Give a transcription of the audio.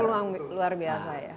peluang luar biasa ya